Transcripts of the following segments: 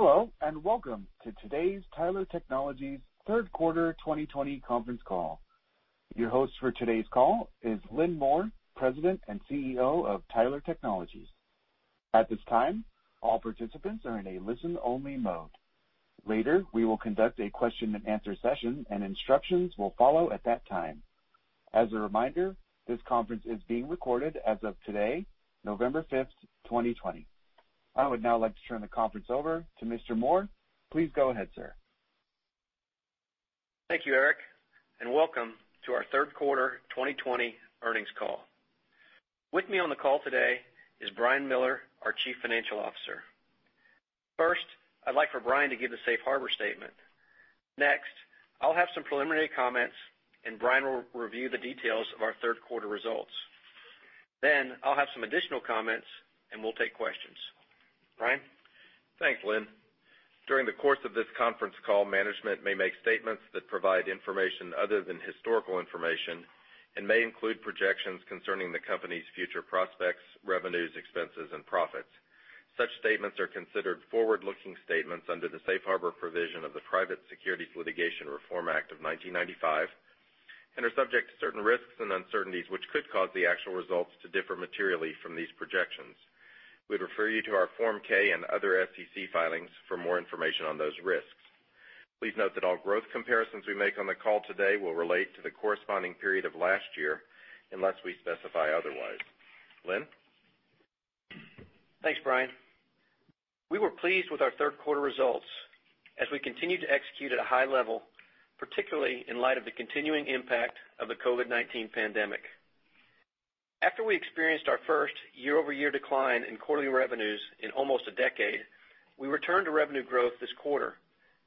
Hello, and welcome to today's Tyler Technologies third quarter 2020 conference call. Your host for today's call is Lynn Moore, President and CEO of Tyler Technologies. At this time, all participants are in a listen-only mode. Later, we will conduct a question-and-answer session, and instructions will follow at that time. As a reminder, this conference is being recorded as of today, November 5th, 2020. I would now like to turn the conference over to Mr. Moore. Please go ahead, sir. Thank you, Eric, and welcome to our third quarter 2020 earnings call. With me on the call today is Brian Miller, our Chief Financial Officer. First, I'd like for Brian to give the safe harbor statement. Next, I'll have some preliminary comments, and Brian will review the details of our third quarter results. Then, I'll have some additional comments, and we'll take questions. Brian? Thanks, Lynn. During the course of this conference call, management may make statements that provide information other than historical information and may include projections concerning the company's future prospects, revenues, expenses, and profits. Such statements are considered forward-looking statements under the safe harbor provision of the Private Securities Litigation Reform Act of 1995 and are subject to certain risks and uncertainties which could cause the actual results to differ materially from these projections. We'd refer you to our Form 10-K and other SEC filings for more information on those risks. Please note that all growth comparisons we make on the call today will relate to the corresponding period of last year unless we specify otherwise. Lynn? Thanks, Brian. We were pleased with our third quarter results as we continue to execute at a high level, particularly in light of the continuing impact of the COVID-19 pandemic. After we experienced our first year-over-year decline in quarterly revenues in almost a decade, we returned to revenue growth this quarter,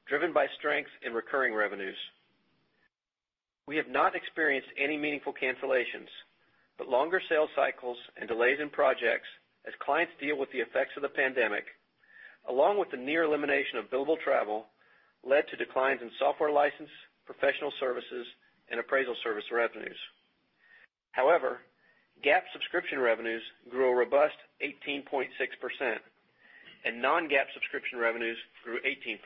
driven by strength in recurring revenues. We have not experienced any meaningful cancellations, but longer sales cycles and delays in projects as clients deal with the effects of the pandemic, along with the near elimination of billable travel, led to declines in software license, professional services, and appraisal service revenues. However, GAAP subscription revenues grew a robust 18.6%, and non-GAAP subscription revenues grew 18%.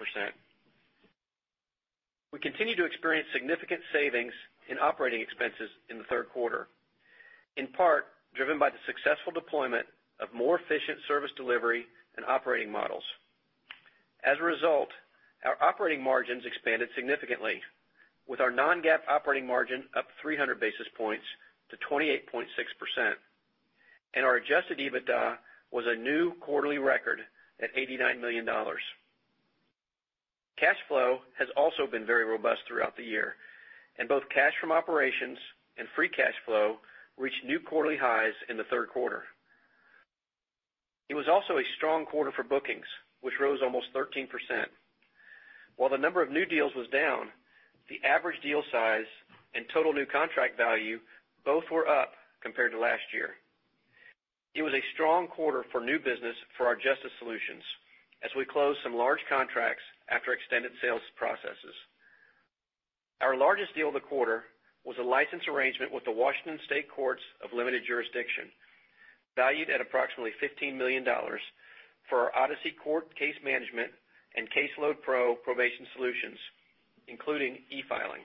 We continue to experience significant savings in operating expenses in the third quarter, in part driven by the successful deployment of more efficient service delivery and operating models. Our operating margins expanded significantly with our non-GAAP operating margin up 300 basis points to 28.6%, and our adjusted EBITDA was a new quarterly record at $89 million. Cash flow has also been very robust throughout the year, both cash from operations and free cash flow reached new quarterly highs in the third quarter. It was also a strong quarter for bookings, which rose almost 13%. The number of new deals was down, the average deal size and total new contract value both were up compared to last year. It was a strong quarter for new business for our Justice Solutions as we closed some large contracts after extended sales processes. Our largest deal of the quarter was a license arrangement with the Washington State Courts of Limited Jurisdiction, valued at approximately $15 million for our Odyssey Court Case Management and CaseloadPRO Probation Solutions, including e-filing.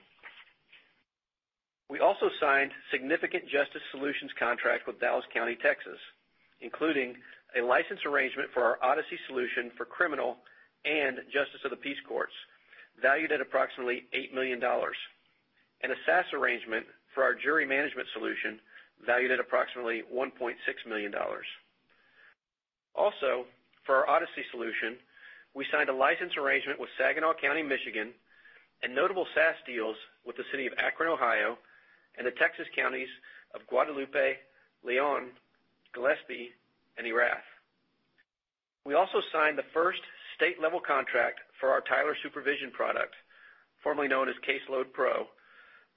We also signed significant Justice Solutions contract with Dallas County, Texas, including a license arrangement for our Odyssey solution for criminal and justice of the peace courts valued at approximately $8 million, and a SaaS arrangement for our jury management solution valued at approximately $1.6 million. Also, for our Odyssey solution, we signed a license arrangement with Saginaw County, Michigan, and notable SaaS deals with the City of Akron, Ohio, and the Texas counties of Guadalupe, Leon, Gillespie, and Erath. We also signed the first state-level contract for our Tyler Supervision product, formerly known as CaseloadPRO,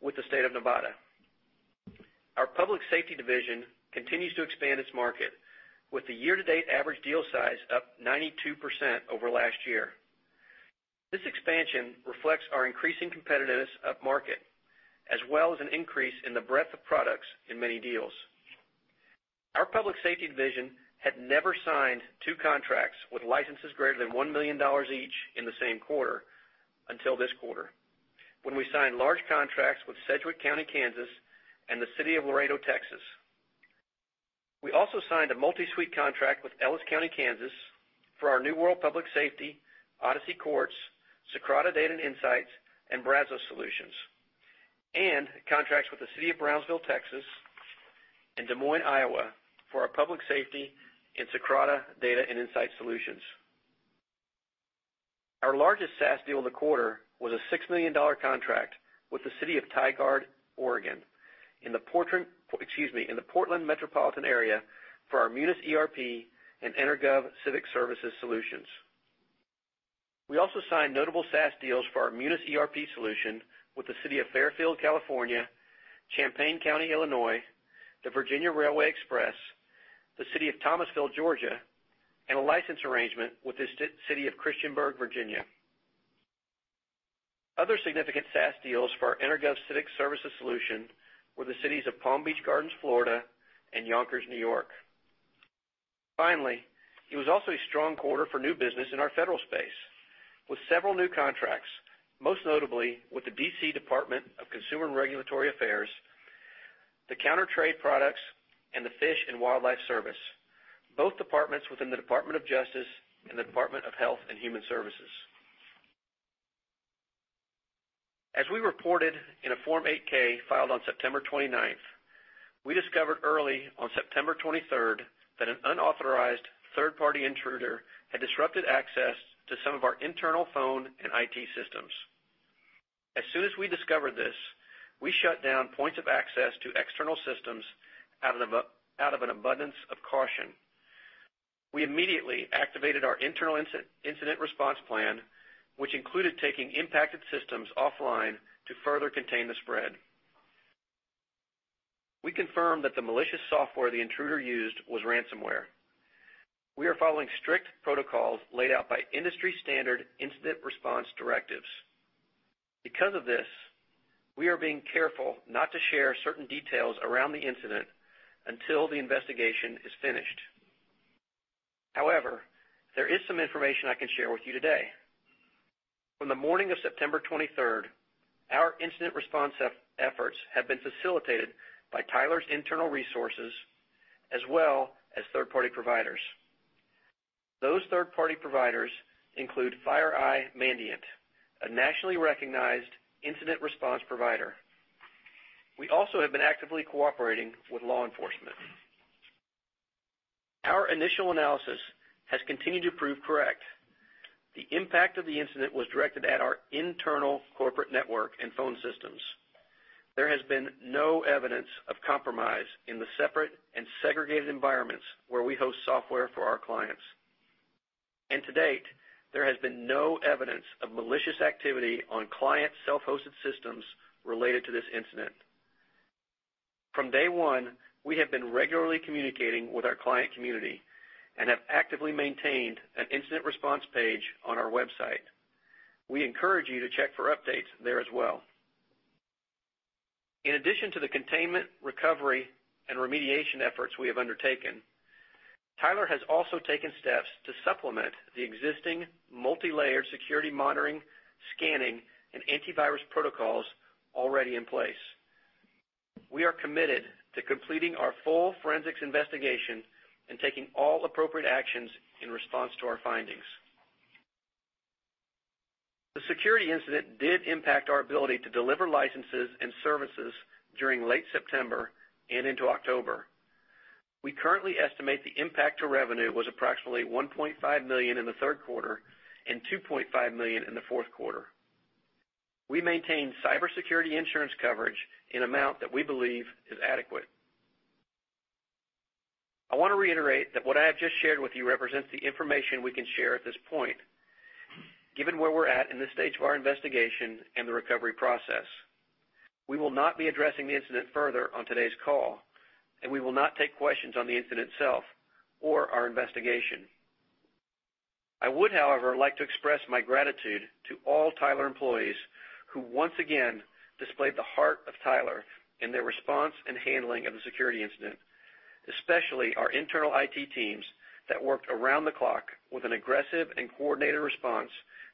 with the State of Nevada. Our Public Safety division continues to expand its market with the year-to-date average deal size up 92% over last year. This expansion reflects our increasing competitiveness upmarket, as well as an increase in the breadth of products in many deals. Our Public Safety division had never signed two contracts with licenses greater than $1 million each in the same quarter until this quarter, when we signed large contracts with Sedgwick County, Kansas, and the City of Laredo, Texas. We also signed a multi-suite contract with Ellis County, Kansas, for our New World Public Safety, Odyssey Courts, Socrata Data & Insights, and Brazos solutions, and contracts with the City of Brownsville, Texas, and Des Moines, Iowa, for our Public Safety and Socrata Data & Insights solutions. Our largest SaaS deal in the quarter was a $6 million contract with the City of Tigard, Oregon in the Portland metropolitan area for our Munis ERP and EnerGov Civic Services solutions. We also signed notable SaaS deals for our Munis ERP solution with the City of Fairfield, California, Champaign County, Illinois, the Virginia Railway Express, the City of Thomasville, Georgia, and a license arrangement with the City of Christiansburg, Virginia. Other significant SaaS deals for our EnerGov Civic Services solution were the cities of Palm Beach Gardens, Florida, and Yonkers, New York. It was also a strong quarter for new business in our federal space, with several new contracts, most notably with the D.C. Department of Consumer and Regulatory Affairs, CounterTrade Products, and the Fish and Wildlife Service, both departments within the Department of Justice and the Department of Health and Human Services. As we reported in a Form 8-K filed on September 29th, we discovered early on September 23rd that an unauthorized third-party intruder had disrupted access to some of our internal phone and IT systems. As soon as we discovered this, we shut down points of access to external systems out of an abundance of caution. We immediately activated our internal incident response plan, which included taking impacted systems offline to further contain the spread. We confirmed that the malicious software the intruder used was ransomware. We are following strict protocols laid out by industry-standard incident response directives. Because of this, we are being careful not to share certain details around the incident until the investigation is finished. However, there is some information I can share with you today. From the morning of September 23rd, our incident response efforts have been facilitated by Tyler's internal resources as well as third-party providers. Those third-party providers include FireEye Mandiant, a nationally recognized incident response provider. We also have been actively cooperating with law enforcement. Our initial analysis has continued to prove correct. The impact of the incident was directed at our internal corporate network and phone systems. There has been no evidence of compromise in the separate and segregated environments where we host software for our clients. To date, there has been no evidence of malicious activity on client self-hosted systems related to this incident. From day one, we have been regularly communicating with our client community and have actively maintained an incident response page on our website. We encourage you to check for updates there as well. In addition to the containment, recovery, and remediation efforts we have undertaken, Tyler has also taken steps to supplement the existing multi-layered security monitoring, scanning, and antivirus protocols already in place. We are committed to completing our full forensics investigation and taking all appropriate actions in response to our findings. The security incident did impact our ability to deliver licenses and services during late September and into October. We currently estimate the impact to revenue was approximately $1.5 million in the third quarter and $2.5 million in the fourth quarter. We maintain cybersecurity insurance coverage in amount that we believe is adequate. I want to reiterate that what I have just shared with you represents the information we can share at this point, given where we're at in this stage of our investigation and the recovery process. We will not be addressing the incident further on today's call, and we will not take questions on the incident itself or our investigation. I would, however, like to express my gratitude to all Tyler employees who once again displayed the heart of Tyler in their response and handling of the security incident, especially our internal IT teams that worked around the clock with an aggressive and coordinated response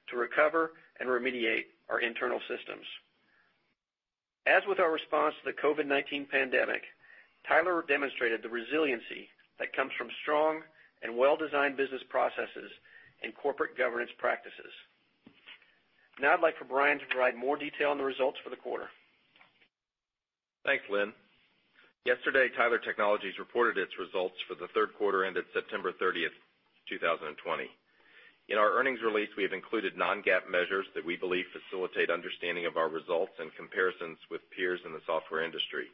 to recover and remediate our internal systems. As with our response to the COVID-19 pandemic, Tyler demonstrated the resiliency that comes from strong and well-designed business processes and corporate governance practices. Now I'd like for Brian to provide more detail on the results for the quarter. Thanks, Lynn. Yesterday, Tyler Technologies reported its results for the third quarter ended September 30th, 2020. In our earnings release, we have included non-GAAP measures that we believe facilitate understanding of our results and comparisons with peers in the software industry.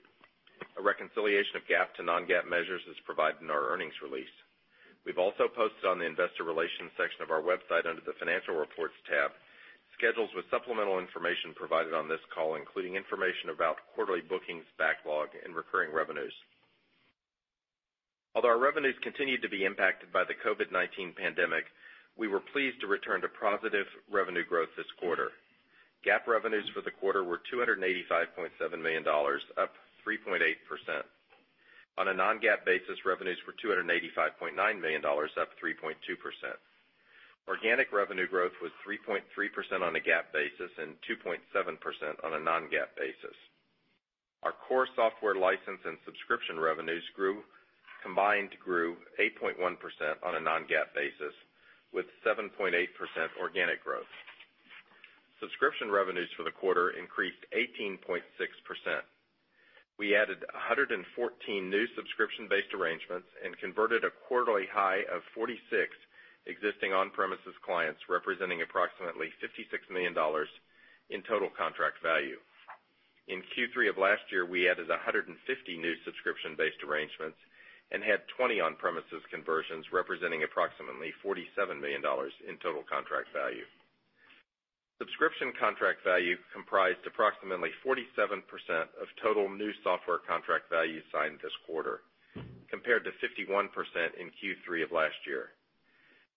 A reconciliation of GAAP to non-GAAP measures is provided in our earnings release. We've also posted on the investor relations section of our website under the financial reports tab, schedules with supplemental information provided on this call, including information about quarterly bookings, backlog, and recurring revenues. Although our revenues continued to be impacted by the COVID-19 pandemic, we were pleased to return to positive revenue growth this quarter. GAAP revenues for the quarter were $285.7 million, up 3.8%. On a non-GAAP basis, revenues were $285.9 million, up 3.2%. Organic revenue growth was 3.3% on a GAAP basis and 2.7% on a non-GAAP basis. Our core software license and subscription revenues combined grew 8.1% on a non-GAAP basis, with 7.8% organic growth. Subscription revenues for the quarter increased 18.6%. We added 114 new subscription-based arrangements and converted a quarterly high of 46 existing on-premises clients, representing approximately $56 million in total contract value. In Q3 of last year, we added 150 new subscription-based arrangements and had 20 on-premises conversions representing approximately $47 million in total contract value. Subscription contract value comprised approximately 47% of total new software contract value signed this quarter, compared to 51% in Q3 of last year.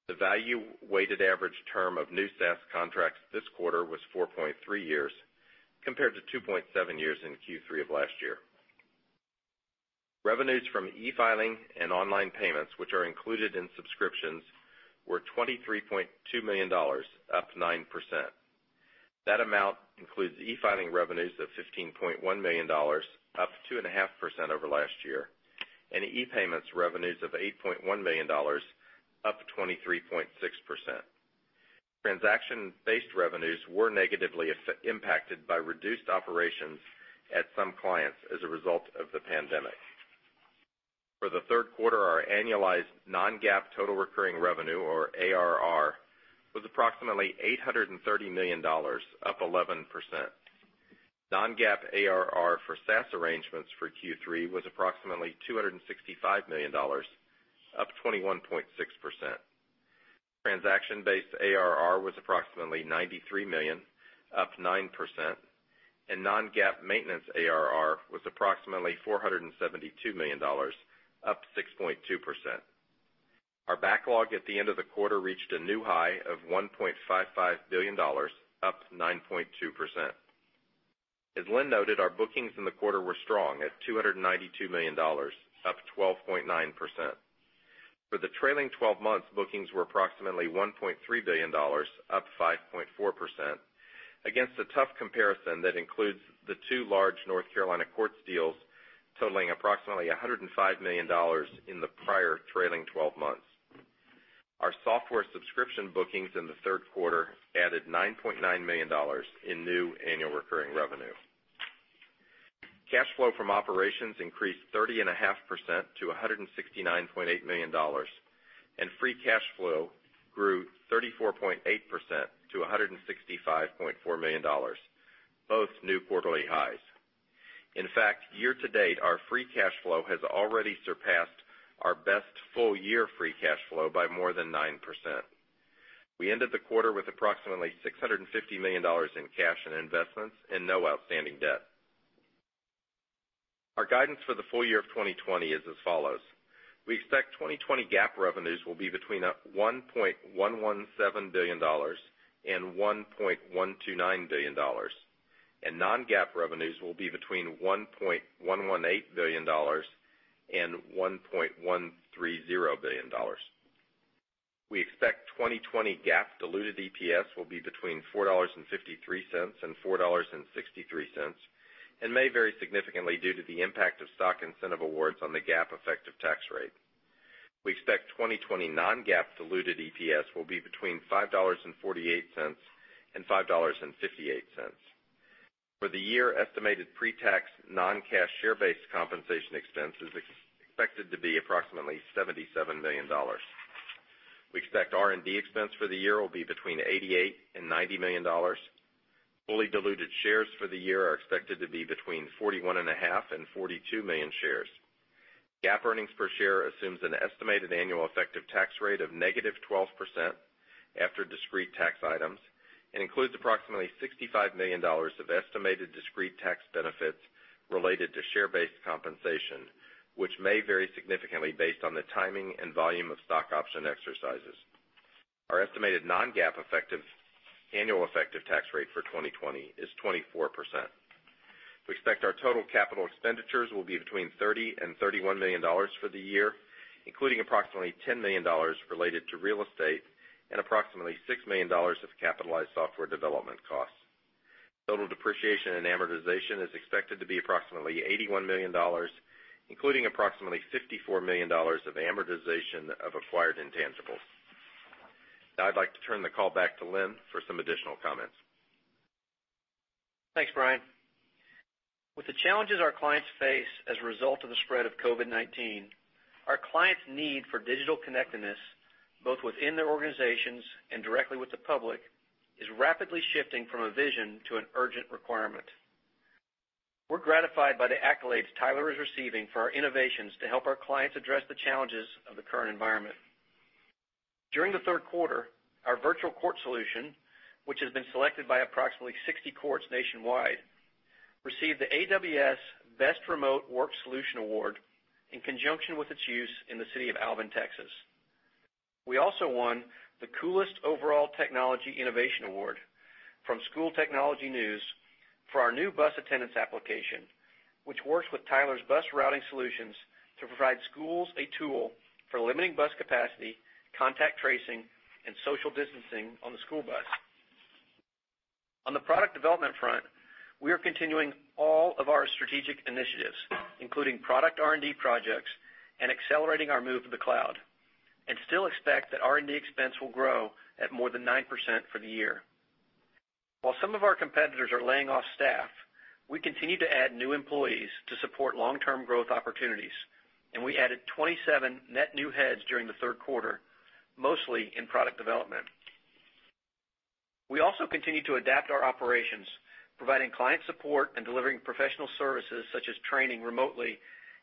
The value-weighted average term of new SaaS contracts this quarter was four point three years, compared to two point seven years in Q3 of last year. Revenues from e-filing and online payments, which are included in subscriptions, were $23.2 million, up 9%. That amount includes e-filing revenues of $15.1 million, up 2.5% over last year, and e-payments revenues of $8.1 million, up 23.6%. Transaction-based revenues were negatively impacted by reduced operations at some clients as a result of the pandemic. For the third quarter, our annualized non-GAAP total recurring revenue, or ARR, was approximately $830 million, up 11%. Non-GAAP ARR for SaaS arrangements for Q3 was approximately $265 million, up 21.6%. Transaction-based ARR was approximately $93 million, up 9%, and non-GAAP maintenance ARR was approximately $472 million, up 6.2%. Our backlog at the end of the quarter reached a new high of $1.55 billion, up 9.2%. As Lynn noted, our bookings in the quarter were strong at $292 million, up 12.9%. For the trailing 12 months, bookings were approximately $1.3 billion, up 5.4%, against a tough comparison that includes the two large North Carolina courts deals totaling approximately $105 million in the prior trailing 12 months. Our software subscription bookings in the third quarter added $9.9 million in new annual recurring revenue. Cash flow from operations increased 30.5% to $169.8 million, and free cash flow grew 34.8% to $165.4 million, both new quarterly highs. In fact, year-to-date, our free cash flow has already surpassed our best full year free cash flow by more than 9%. We ended the quarter with approximately $650 million in cash and investments and no outstanding debt. Our guidance for the full year of 2020 is as follows. We expect 2020 GAAP revenues will be between $1.117 billion and $1.129 billion, and non-GAAP revenues will be between $1.118 billion and $1.130 billion. We expect 2020 GAAP diluted EPS will be between $4.53 and $4.63, and may vary significantly due to the impact of stock incentive awards on the GAAP effective tax rate. We expect 2020 non-GAAP diluted EPS will be between $5.48 and $5.58. For the year, estimated pre-tax non-cash share-based compensation expense is expected to be approximately $77 million. We expect R&D expense for the year will be between $88 million and $90 million. Fully diluted shares for the year are expected to be between 41.5 million and 42 million shares. GAAP earnings per share assumes an estimated annual effective tax rate of -12% after discrete tax items and includes approximately $65 million of estimated discrete tax benefits related to share-based compensation, which may vary significantly based on the timing and volume of stock option exercises. Our estimated non-GAAP annual effective tax rate for 2020 is 24%. We expect our total capital expenditures will be between $30 million and $31 million for the year, including approximately $10 million related to real estate and approximately $6 million of capitalized software development costs. Total depreciation and amortization is expected to be approximately $81 million, including approximately $54 million of amortization of acquired intangibles. Now I'd like to turn the call back to Lynn for some additional comments. Thanks, Brian. With the challenges our clients face as a result of the spread of COVID-19, our clients' need for digital connectedness, both within their organizations and directly with the public, is rapidly shifting from a vision to an urgent requirement. We're gratified by the accolades Tyler is receiving for our innovations to help our clients address the challenges of the current environment. During the third quarter, our virtual court solution, which has been selected by approximately 60 courts nationwide, received the AWS Best Remote Work Solution Award in conjunction with its use in the city of Alvin, Texas. We also won the Coolest Overall Technology Innovation Award from School Technology News for our new bus attendance application, which works with Tyler's bus routing solutions to provide schools a tool for limiting bus capacity, contact tracing, and social distancing on the school bus. On the product development front, we are continuing all of our strategic initiatives, including product R&D projects and accelerating our move to the cloud, still expect that R&D expense will grow at more than 9% for the year. While some of our competitors are laying off staff, we continue to add new employees to support long-term growth opportunities, we added 27 net new heads during the third quarter, mostly in product development. We also continue to adapt our operations, providing client support and delivering professional services such as training remotely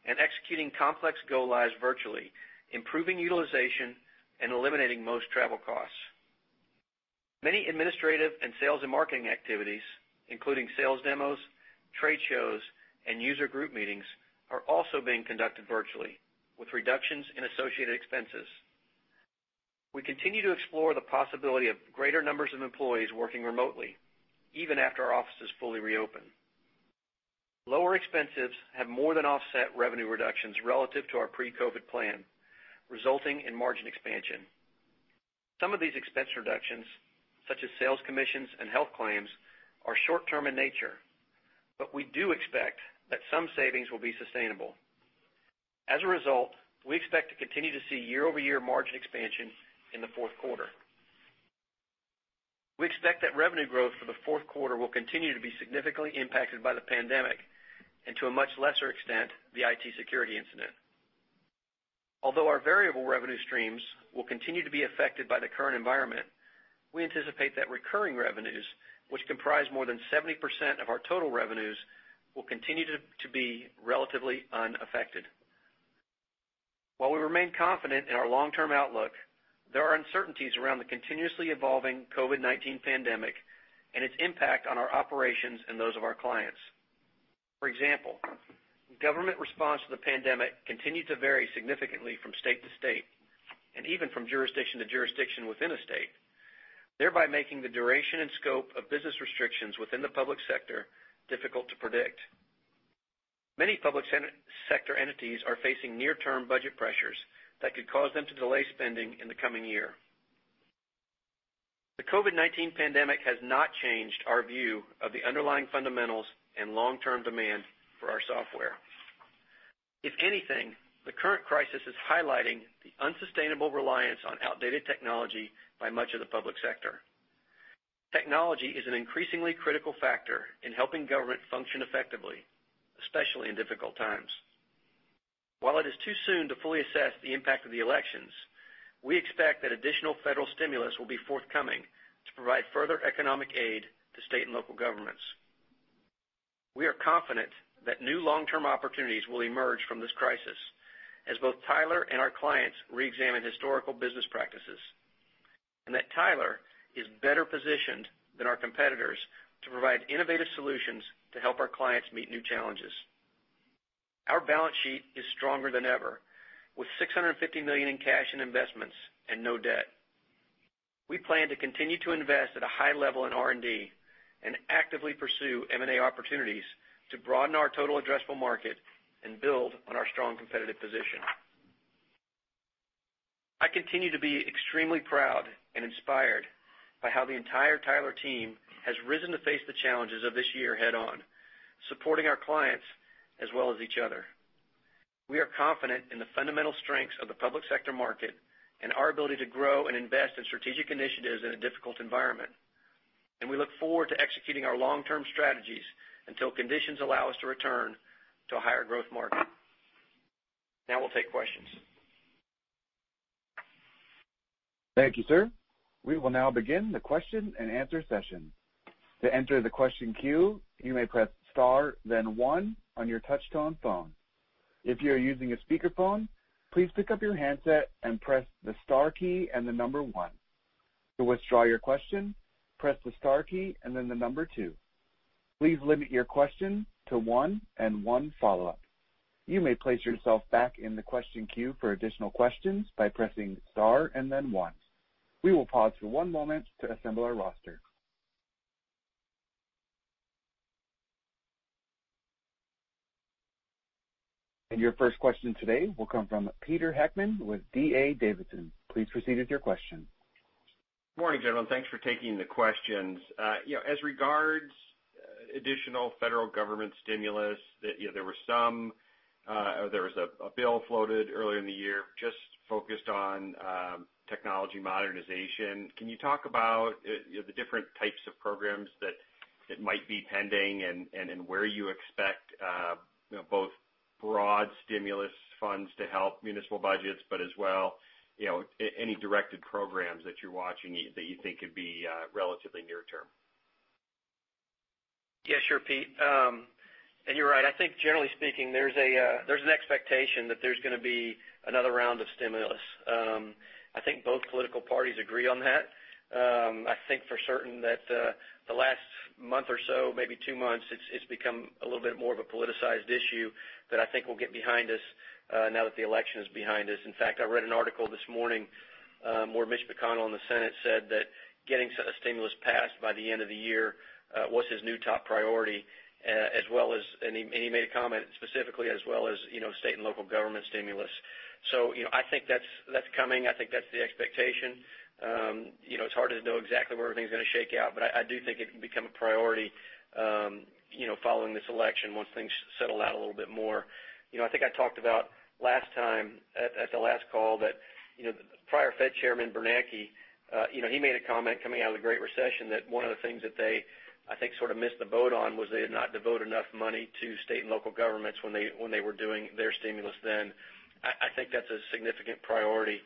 and executing complex go-lives virtually, improving utilization and eliminating most travel costs. Many administrative and sales and marketing activities, including sales demos, trade shows, and user group meetings, are also being conducted virtually, with reductions in associated expenses. We continue to explore the possibility of greater numbers of employees working remotely, even after our offices fully reopen. Lower expenses have more than offset revenue reductions relative to our pre-COVID plan, resulting in margin expansion. Some of these expense reductions, such as sales commissions and health claims, are short-term in nature, but we do expect that some savings will be sustainable. As a result, we expect to continue to see year-over-year margin expansion in the fourth quarter. We expect that revenue growth for the fourth quarter will continue to be significantly impacted by the pandemic and, to a much lesser extent, the IT security incident. Although our variable revenue streams will continue to be affected by the current environment, we anticipate that recurring revenues, which comprise more than 70% of our total revenues, will continue to be relatively unaffected. While we remain confident in our long-term outlook, there are uncertainties around the continuously evolving COVID-19 pandemic and its impact on our operations and those of our clients. For example, government response to the pandemic continued to vary significantly from state to state, and even from jurisdiction to jurisdiction within a state, thereby making the duration and scope of business restrictions within the public sector difficult to predict. Many public sector entities are facing near-term budget pressures that could cause them to delay spending in the coming year. The COVID-19 pandemic has not changed our view of the underlying fundamentals and long-term demand for our software. If anything, the current crisis is highlighting the unsustainable reliance on outdated technology by much of the public sector. Technology is an increasingly critical factor in helping government function effectively, especially in difficult times. While it is too soon to fully assess the impact of the elections, we expect that additional federal stimulus will be forthcoming to provide further economic aid to state and local governments. We are confident that new long-term opportunities will emerge from this crisis as both Tyler and our clients reexamine historical business practices, and that Tyler is better positioned than our competitors to provide innovative solutions to help our clients meet new challenges. Our balance sheet is stronger than ever, with $650 million in cash and investments and no debt. We plan to continue to invest at a high level in R&D and actively pursue M&A opportunities to broaden our total addressable market and build on our strong competitive position. I continue to be extremely proud and inspired by how the entire Tyler team has risen to face the challenges of this year head-on, supporting our clients as well as each other. We are confident in the fundamental strengths of the public sector market and our ability to grow and invest in strategic initiatives in a difficult environment. We look forward to executing our long-term strategies until conditions allow us to return to a higher growth market. Now we'll take questions. Thank you, sir. We will now begin the question-and-answer session. To enter the question queue you may press star then one on your touchtone phone. If you are using speaker phone please pick up your handset and press the star key and number one. To withdraw your question press the star key and then number two. Please limit your question to one and one follow up. You may press yourself back in the queue for additional question by pressing star and then one. We will pause for one moment to assemble our roster. Your first question today will come from Peter Heckmann with D.A. Davidson. Please proceed with your question. Morning, gentlemen. Thanks for taking the questions. As regards additional federal government stimulus, there was a bill floated earlier in the year just focused on technology modernization. Can you talk about the different types of programs that might be pending, and where you expect both broad stimulus funds to help municipal budgets, but as well, any directed programs that you're watching that you think could be relatively near-term? Yeah, sure, Pete. You're right. I think generally speaking, there's an expectation that there's going to be another round of stimulus. I think both political parties agree on that. I think for certain that the last month or so, maybe two months, it's become a little bit more of a politicized issue that I think will get behind us now that the election is behind us. In fact, I read an article this morning where Mitch McConnell in the Senate said that getting a stimulus passed by the end of the year was his new top priority, and he made a comment specifically as well as state and local government stimulus. I think that's coming. I think that's the expectation. It's hard to know exactly where everything's going to shake out. I do think it can become a priority following this election once things settle out a little bit more. I think I talked about last time, at the last call, that prior Fed Chairman Bernanke, he made a comment coming out of the Great Recession that one of the things that they, I think, sort of missed the boat on was they had not devoted enough money to state and local governments when they were doing their stimulus then. I think that's a significant priority.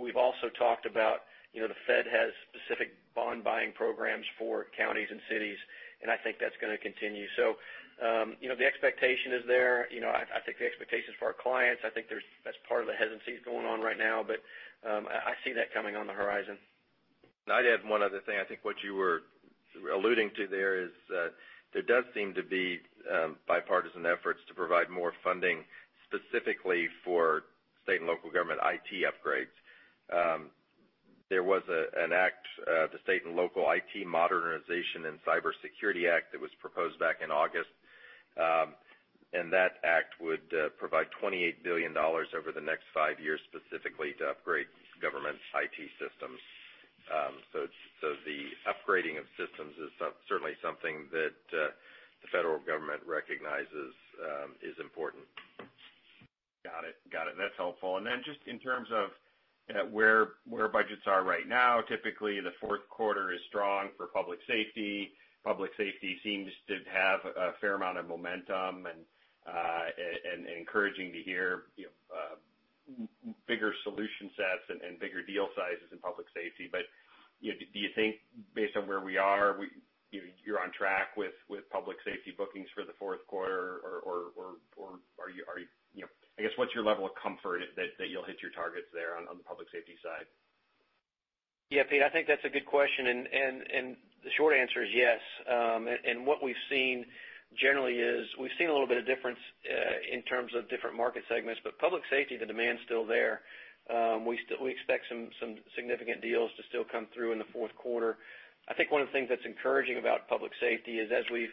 We've also talked about the Fed has specific bond-buying programs for counties and cities. I think that's going to continue. The expectation is there. I think the expectations for our clients, I think that's part of the hesitancy that's going on right now. I see that coming on the horizon. I'd add one other thing. I think what you were alluding to there is there does seem to be bipartisan efforts to provide more funding specifically for state and local government IT upgrades. There was an act, the State and Local IT Modernization and Cybersecurity Act, that was proposed back in August. That act would provide $28 billion over the next five years specifically to upgrade government IT systems. The upgrading of systems is certainly something that the federal government recognizes is important. Got it. That's helpful. Just in terms of where budgets are right now, typically the fourth quarter is strong for public safety. Public safety seems to have a fair amount of momentum, encouraging to hear bigger solution sets and bigger deal sizes in public safety. Do you think based on where we are, you're on track with public safety bookings for the fourth quarter, or I guess what's your level of comfort that you'll hit your targets there on the public safety side? Yeah, Pete, I think that's a good question, and the short answer is yes. What we've seen generally is, we've seen a little bit of difference in terms of different market segments. Public safety, the demand's still there. We expect some significant deals to still come through in the fourth quarter. I think one of the things that's encouraging about public safety is as we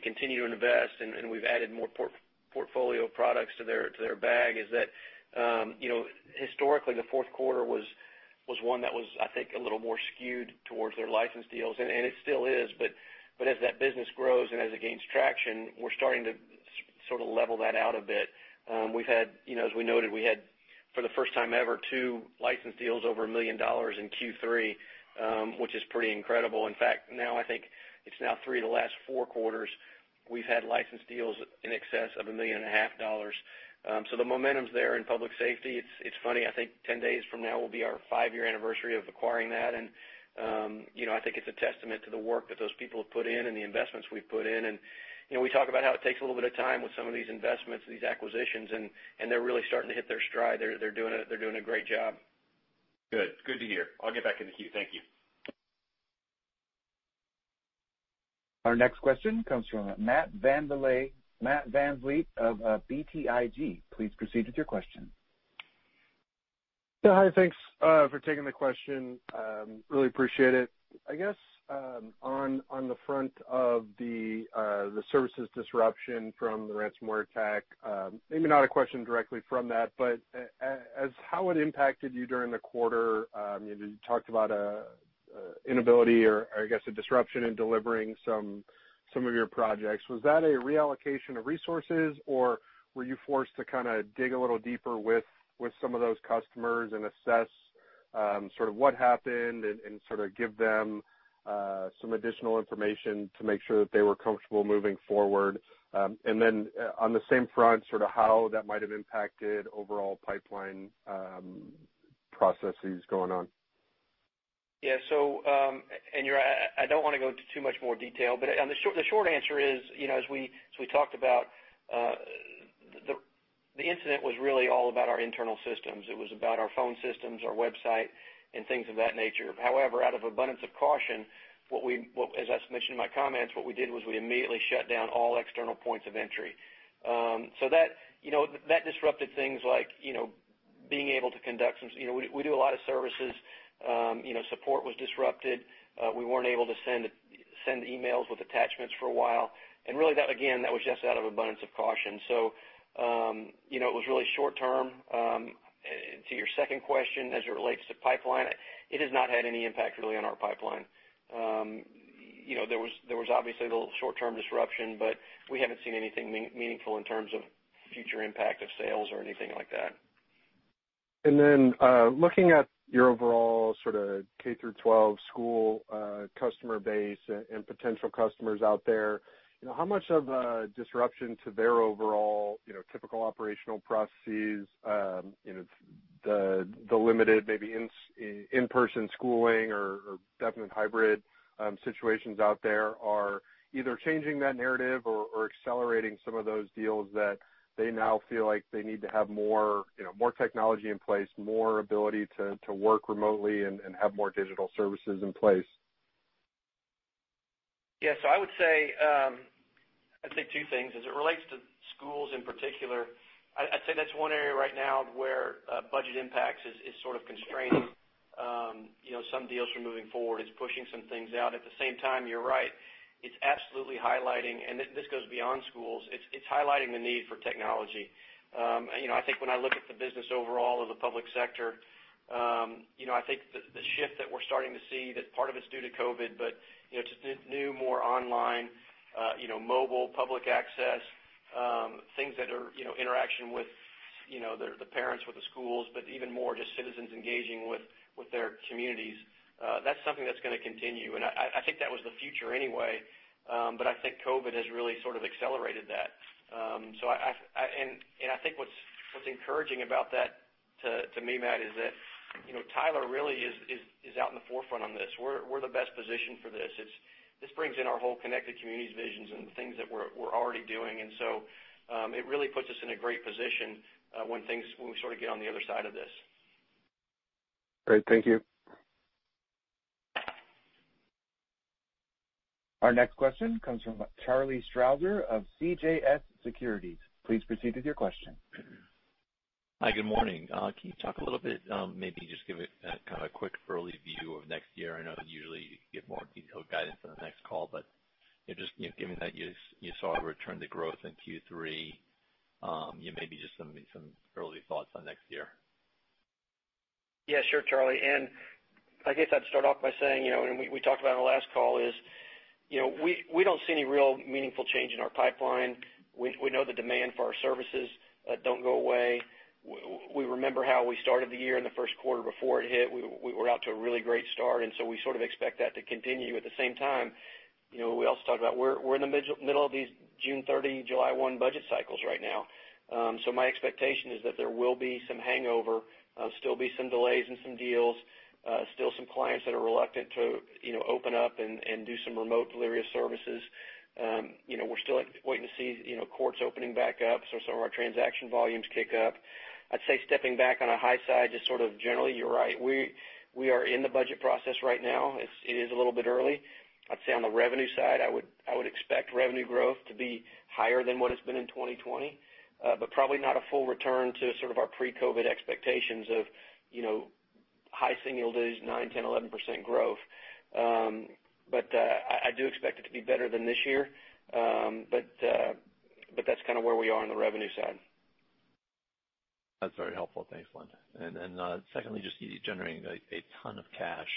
continue to invest and we've added more portfolio products to their bag, is that historically the fourth quarter was one that was, I think, a little more skewed towards their license deals, and it still is, but as that business grows and as it gains traction, we're starting to sort of level that out a bit. As we noted, we had, for the first time ever, two license deals over $1 million in Q3, which is pretty incredible. In fact, now I think it's now three of the last four quarters we've had license deals in excess of $1.5 million. The momentum's there in public safety. It's funny, I think 10 days from now will be our five-year anniversary of acquiring that, and I think it's a testament to the work that those people have put in and the investments we've put in. We talk about how it takes a little bit of time with some of these investments, these acquisitions, and they're really starting to hit their stride. They're doing a great job. Good. Good to hear. I'll get back in the queue. Thank you. Our next question comes from Matt VanVliet of BTIG. Please proceed with your question. Hi, thanks for taking the question. Really appreciate it. I guess on the front of the services disruption from the ransomware attack, maybe not a question directly from that, but as how it impacted you during the quarter, you talked about an inability or I guess a disruption in delivering some of your projects. Was that a reallocation of resources, or were you forced to kind of dig a little deeper with some of those customers and assess sort of what happened and sort of give them some additional information to make sure that they were comfortable moving forward? On the same front, sort of how that might have impacted overall pipeline processes going on? I don't want to go into too much more detail, but the short answer is, as we talked about, the incident was really all about our internal systems. It was about our phone systems, our website and things of that nature. Out of abundance of caution, as I mentioned in my comments, what we did was we immediately shut down all external points of entry. That disrupted things like being able to conduct some. We do a lot of services. Support was disrupted. We weren't able to send emails with attachments for a while. Really that, again, that was just out of abundance of caution. It was really short term. To your second question, as it relates to pipeline, it has not had any impact really on our pipeline. There was obviously a little short-term disruption. We haven't seen anything meaningful in terms of future impact of sales or anything like that. Looking at your overall sort of K-12 school customer base and potential customers out there, how much of a disruption to their overall typical operational processes, the limited maybe in-person schooling or definite hybrid situations out there are either changing that narrative or accelerating some of those deals that they now feel like they need to have more technology in place, more ability to work remotely and have more digital services in place? Yeah. I would say two things. As it relates to schools in particular, I'd say that's one area right now where budget impacts is sort of constraining some deals from moving forward. It's pushing some things out. At the same time, you're right. It's absolutely highlighting, and this goes beyond schools, it's highlighting the need for technology. I think when I look at the business overall of the public sector, I think the shift that we're starting to see that part of it's due to COVID-19, but to new, more online mobile public access, things that are interaction with the parents, with the schools, but even more just citizens engaging with their communities. That's something that's going to continue, and I think that was the future anyway, but I think COVID-19 has really sort of accelerated that. I think what's encouraging about that to me, Matt, is that Tyler really is out in the forefront on this. We're the best positioned for this. This brings in our whole connected communities visions and the things that we're already doing. It really puts us in a great position when we sort of get on the other side of this. Great. Thank you. Our next question comes from Charlie Strauzer of CJS Securities. Please proceed with your question. Hi, good morning. Can you talk a little bit, maybe just give a kind of quick early view of next year? I know usually you give more detailed guidance on the next call, just given that you saw a return to growth in Q3, maybe just some early thoughts on next year? Yeah, sure, Charlie. I guess I'd start off by saying, and we talked about on the last call, is we don't see any real meaningful change in our pipeline. We know the demand for our services don't go away. We remember how we started the year in the first quarter before it hit. We were out to a really great start, and so we sort of expect that to continue. At the same time, we also talked about we're in the middle of these June 30, July 1 budget cycles right now. My expectation is that there will be some hangover, still be some delays in some deals, still some clients that are reluctant to open up and do some remote Valeria services. We're still waiting to see courts opening back up, so some of our transaction volumes kick up. I'd say stepping back on a high side, just sort of generally, you're right, we are in the budget process right now. It is a little bit early. I'd say on the revenue side, I would expect revenue growth to be higher than what it's been in 2020. Probably not a full return to sort of our pre-COVID-19 expectations of high single digits, 9%, 10%, 11% growth. I do expect it to be better than this year. That's kind of where we are on the revenue side. That's very helpful. Thanks, Lynn. Secondly, just you're generating a ton of cash.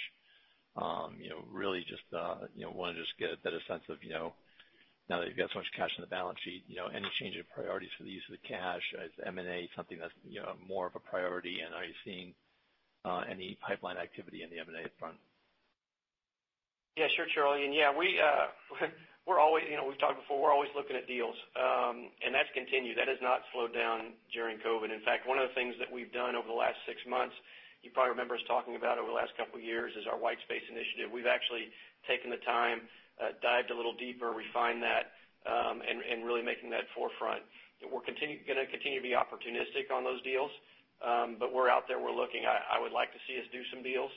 Really just wanted to get a better sense of now that you've got so much cash on the balance sheet, any change in priorities for the use of the cash? Is M&A something that's more of a priority, and are you seeing any pipeline activity in the M&A front? Yeah, sure, Charlie. Yeah, we've talked before, we're always looking at deals, and that's continued. That has not slowed down during COVID. In fact, one of the things that we've done over the last six months, you probably remember us talking about over the last couple of years, is our White Space Initiative. We've actually taken the time, dived a little deeper, refined that, and really making that forefront. We're going to continue to be opportunistic on those deals, but we're out there, we're looking. I would like to see us do some deals,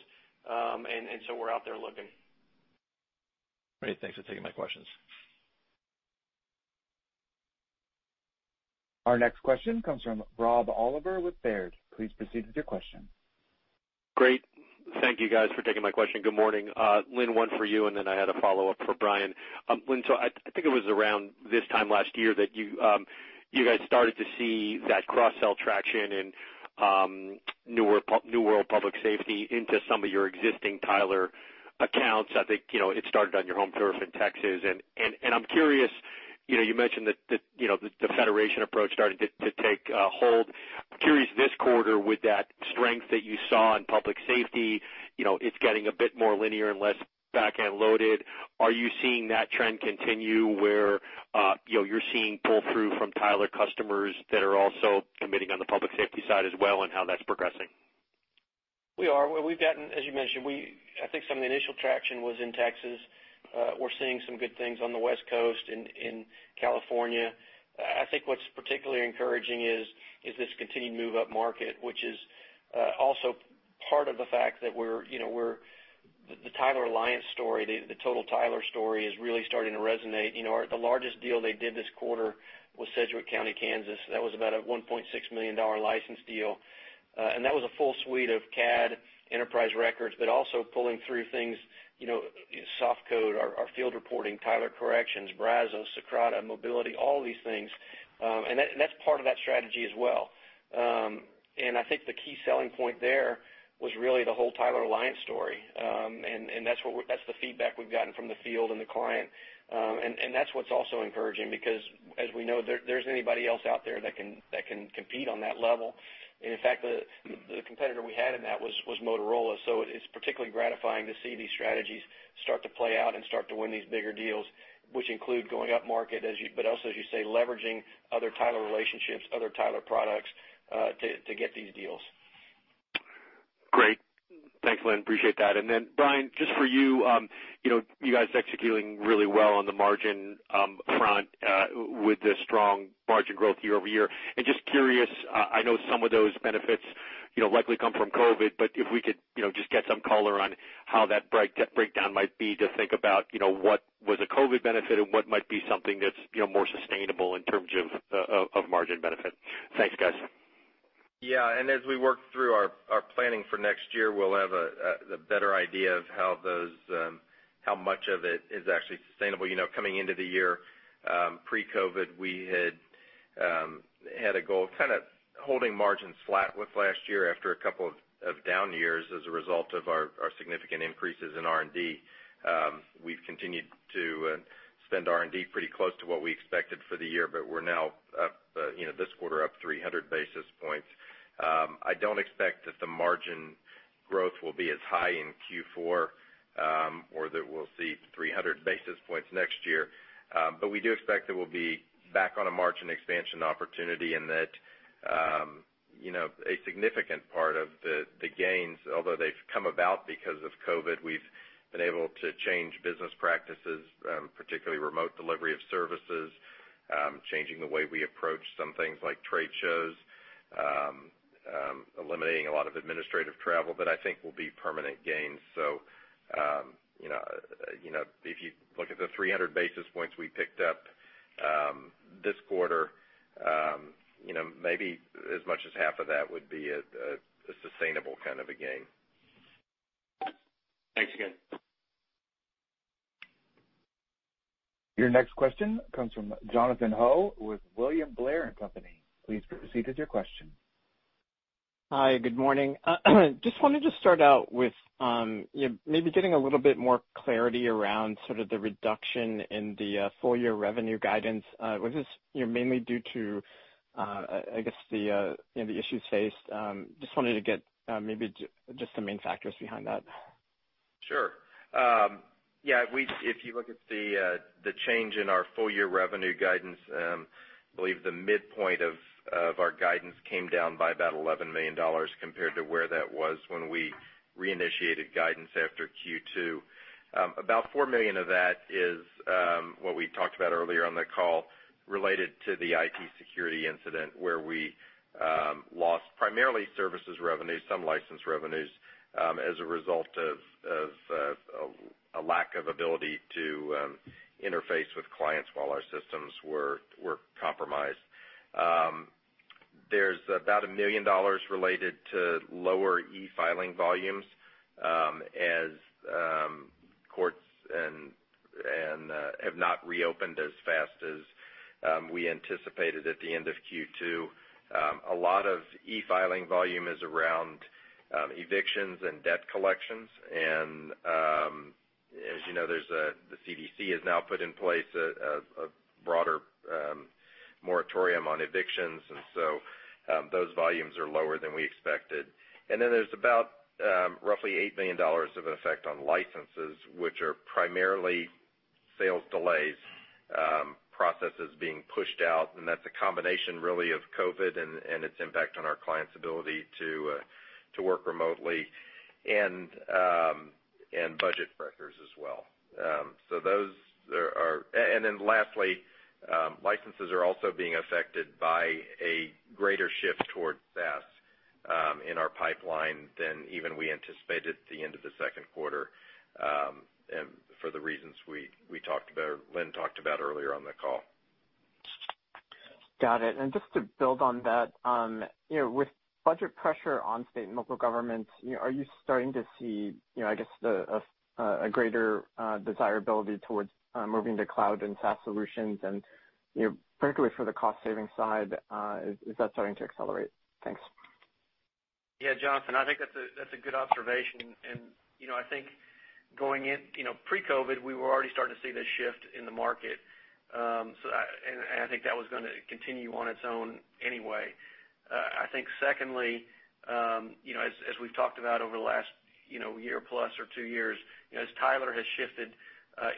and so we're out there looking. Great. Thanks for taking my questions. Our next question comes from Rob Oliver with Baird. Please proceed with your question. Great. Thank you guys for taking my question. Good morning. Lynn, one for you, then I had a follow-up for Brian. Lynn, I think it was around this time last year that you guys started to see that cross-sell traction in New World Public Safety into some of your existing Tyler accounts. I think it started on your home turf in Texas. I'm curious, you mentioned that the federation approach starting to take hold. I'm curious this quarter with that strength that you saw in public safety, it's getting a bit more linear and less back-end loaded. Are you seeing that trend continue where you're seeing pull-through from Tyler customers that are also committing on the public safety side as well, and how that's progressing? We are. You mentioned, I think some of the initial traction was in Texas. We're seeing some good things on the West Coast in California. I think what's particularly encouraging is this continued move-up market, which is also part of the fact that the Tyler alliance story, the total Tyler story, is really starting to resonate. The largest deal they did this quarter was Sedgwick County, Kansas. That was about a $1.6 million license deal. That was a full suite of CAD Enterprise Records, but also pulling through things, SoftCode, our field reporting, Tyler Corrections, Brazos, Socrata, Mobility, all these things. That's part of that strategy as well. I think the key selling point there was really the whole Tyler alliance story. That's the feedback we've gotten from the field and the client. That's what's also encouraging because as we know, there isn't anybody else out there that can compete on that level. In fact, the competitor we had in that was Motorola. It's particularly gratifying to see these strategies start to play out and start to win these bigger deals, which include going up market, but also, as you say, leveraging other Tyler relationships, other Tyler products, to get these deals. Great. Thanks, Lynn, appreciate that. Brian, just for you. You guys executing really well on the margin front with the strong margin growth year-over-year. Just curious, I know some of those benefits likely come from COVID, but if we could just get some color on how that breakdown might be to think about what was a COVID benefit and what might be something that's more sustainable in terms of margin benefit. Thanks, guys. Yeah. As we work through our planning for next year, we'll have a better idea of how much of it is actually sustainable. Coming into the year pre-COVID, we had a goal of kind of holding margins flat with last year after a couple of down years as a result of our significant increases in R&D. We've continued to spend R&D pretty close to what we expected for the year, but we're now up, this quarter, up 300 basis points. I don't expect that the margin growth will be as high in Q4 or that we'll see 300 basis points next year. We do expect that we'll be back on a margin expansion opportunity. A significant part of the gains, although they've come about because of COVID, we've been able to change business practices, particularly remote delivery of services, changing the way we approach some things like trade shows, eliminating a lot of administrative travel that I think will be permanent gains. If you look at the 300 basis points we picked up this quarter, maybe as much as half of that would be a sustainable kind of a gain. Thanks again. Your next question comes from Jonathan Ho with William Blair & Company. Please proceed with your question. Hi. Good morning. Just wanted to start out with maybe getting a little bit more clarity around the reduction in the full-year revenue guidance. Was this mainly due to, I guess, the issues faced? Just wanted to get maybe just some main factors behind that. Sure. Yeah, if you look at the change in our full-year revenue guidance, I believe the midpoint of our guidance came down by about $11 million compared to where that was when we reinitiated guidance after Q2. About $4 million of that is what we talked about earlier on the call, related to the IT security incident where we lost primarily services revenue, some license revenues, as a result of a lack of ability to interface with clients while our systems were compromised. There's about $1 million related to lower e-filing volumes as courts have not reopened as fast as we anticipated at the end of Q2. A lot of e-filing volume is around evictions and debt collections. As you know, the CDC has now put in place a broader moratorium on evictions, and so those volumes are lower than we expected. There's about roughly $8 million of an effect on licenses, which are primarily sales delays, processes being pushed out. That's a combination really of COVID and its impact on our clients' ability to work remotely and budget pressures as well. Lastly, licenses are also being affected by a greater shift towards SaaS in our pipeline than even we anticipated at the end of the second quarter for the reasons Lynn talked about earlier on the call. Got it. Just to build on that, with budget pressure on state and local governments, are you starting to see a greater desirability towards moving to cloud and SaaS solutions? Particularly for the cost-saving side, is that starting to accelerate? Thanks. Jonathan, I think that's a good observation. I think pre-COVID, we were already starting to see this shift in the market. I think that was going to continue on its own anyway. I think secondly, as we've talked about over the last year plus or two years, as Tyler has shifted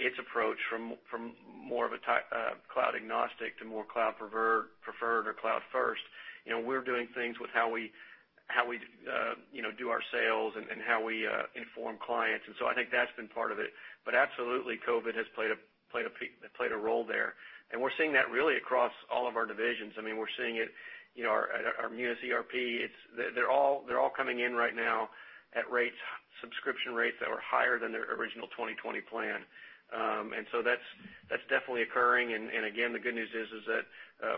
its approach from more of a cloud agnostic to more cloud preferred or cloud first, we're doing things with how we do our sales and how we inform clients. I think that's been part of it. Absolutely, COVID has played a role there. We're seeing that really across all of our divisions. We're seeing it at our Munis ERP. They're all coming in right now at subscription rates that were higher than their original 2020 plan. That's definitely occurring. Again, the good news is that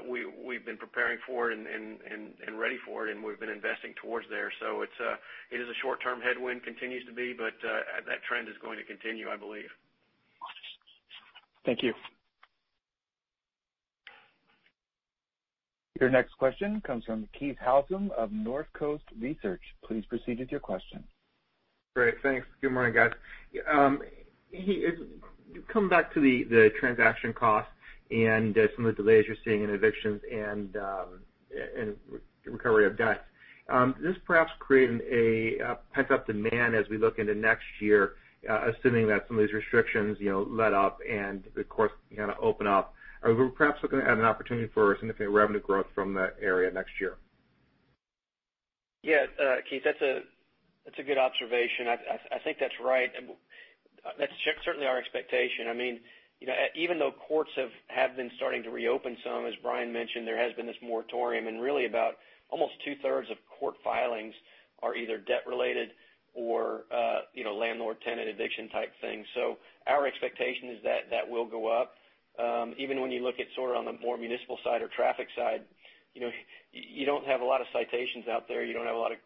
we've been preparing for it and ready for it, and we've been investing towards there. It is a short-term headwind, continues to be, but that trend is going to continue, I believe. Thank you. Your next question comes from Keith Housum of Northcoast Research. Please proceed with your question. Great. Thanks. Good morning, guys. To come back to the transaction costs and some of the delays you're seeing in evictions and recovery of debts. This perhaps creates a pent-up demand as we look into next year, assuming that some of these restrictions let up and the courts open up. Are we perhaps looking at an opportunity for significant revenue growth from that area next year? Yeah, Keith, that's a good observation. I think that's right. That's certainly our expectation. Even though courts have been starting to reopen some, as Brian mentioned, there has been this moratorium. Really about almost 2/3 of court filings are either debt related or landlord-tenant eviction type things. Our expectation is that that will go up. Even when you look at sort of on the more municipal side or traffic side, you don't have a lot of citations out there. You don't have a lot of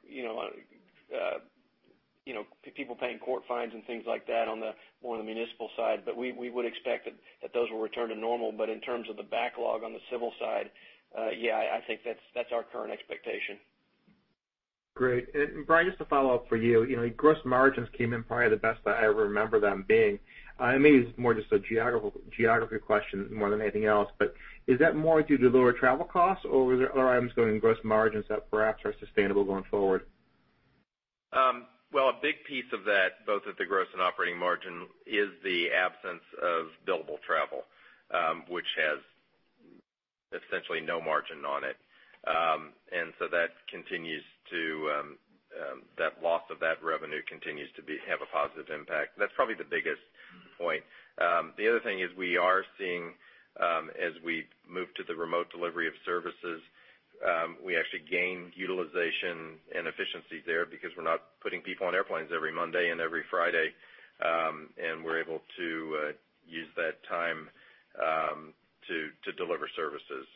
people paying court fines and things like that on more the municipal side. We would expect that those will return to normal. In terms of the backlog on the civil side, yeah, I think that's our current expectation. Great. Brian, just to follow up for you. Gross margins came in probably the best I ever remember them being. Maybe this is more just a geography question more than anything else, is that more due to lower travel costs, or are there other items going in gross margins that perhaps are sustainable going forward? A big piece of that, both at the gross and operating margin, is the absence of billable travel, which has essentially no margin on it. That loss of that revenue continues to have a positive impact. That's probably the biggest point. The other thing is we are seeing as we move to the remote delivery of services, we actually gained utilization and efficiency there because we're not putting people on airplanes every Monday and every Friday, and we're able to use that time to deliver services.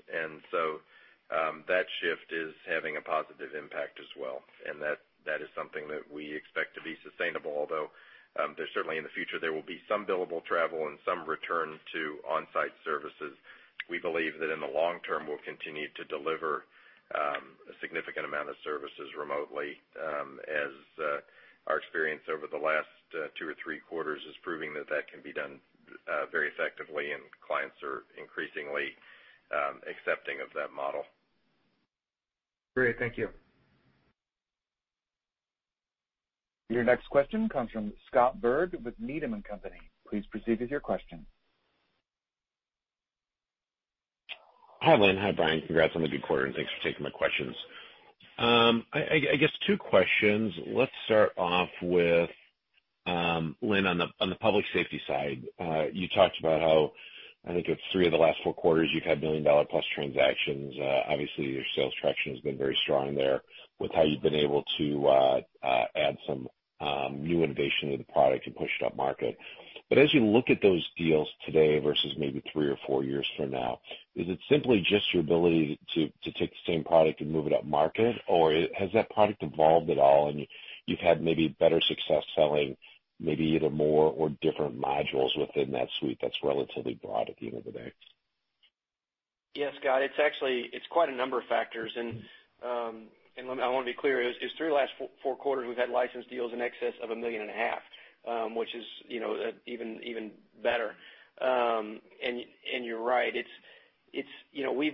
That shift is having a positive impact as well, and that is something that we expect to be sustainable. Although certainly in the future, there will be some billable travel and some return to on-site services. We believe that in the long term, we'll continue to deliver a significant amount of services remotely, as our experience over the last two or three quarters is proving that that can be done very effectively, and clients are increasingly accepting of that model. Great. Thank you. Your next question comes from Scott Berg with Needham & Company. Please proceed with your question. Hi, Lynn. Hi, Brian. Congrats on the good quarter, and thanks for taking my questions. I guess two questions. Let's start off with Lynn on the public safety side. You talked about how, I think it's three of the last four quarters, you've had $1 million+ transactions. Obviously, your sales traction has been very strong there with how you've been able to add some new innovation to the product and push it up market. As you look at those deals today versus maybe three or four years from now, is it simply just your ability to take the same product and move it up market, or has that product evolved at all, and you've had maybe better success selling maybe either more or different modules within that suite that's relatively broad at the end of the day? Yes, Scott, it's quite a number of factors. I want to be clear, it's three of the last four quarters, we've had license deals in excess of $1.5 million, which is even better. You're right.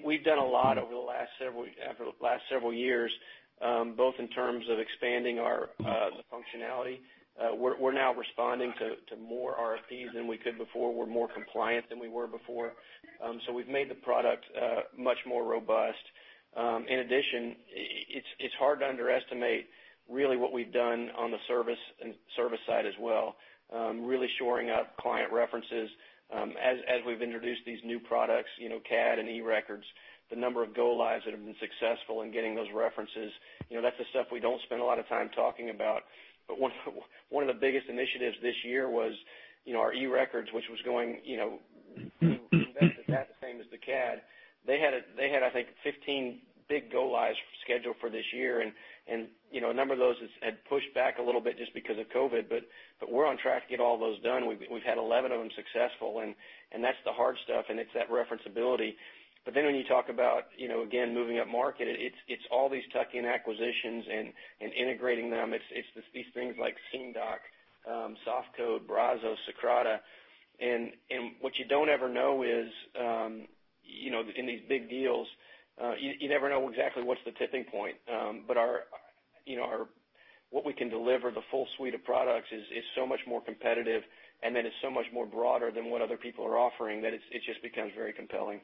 We've done a lot over the last several years, both in terms of expanding our functionality. We're now responding to more RFPs than we could before. We're more compliant than we were before. We've made the product much more robust. In addition, it's hard to underestimate really what we've done on the service side as well, really shoring up client references. As we've introduced these new products, CAD and eRecords, the number of go lives that have been successful in getting those references, that's the stuff we don't spend a lot of time talking about. One of the biggest initiatives this year was our eRecords, we invested that the same as the CAD. They had, I think, 15 big go lives scheduled for this year, and a number of those had pushed back a little bit just because of COVID, but we're on track to get all those done. We've had 11 of them successful, and that's the hard stuff, and it's that referenceability. When you talk about, again, moving up market, it's all these tuck-in acquisitions and integrating them. It's these things like SceneDoc, SoftCode, Brazos, Socrata. What you don't ever know is, in these big deals, you never know exactly what's the tipping point. What we can deliver, the full suite of products, is so much more competitive, and then it's so much more broader than what other people are offering that it just becomes very compelling.